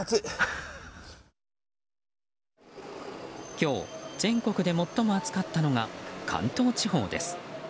今日、全国で最も暑かったのが関東地方です。